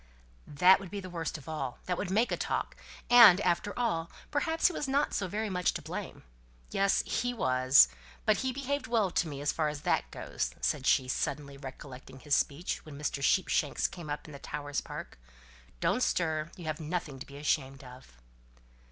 "That would be the worst of all. That would make a talk. And, after all, perhaps he was not so very much to blame. Yes! he was. But he behaved well to me as far as that goes," said she, suddenly recollecting his speech when Mr. Sheepshanks came up in the Towers' Park "Don't stir, you have done nothing to be ashamed of."